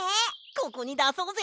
ここにだそうぜ。